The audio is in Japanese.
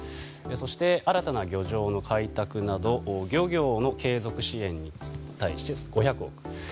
そして、新たな漁場の開拓など漁業の継続支援に５００億円。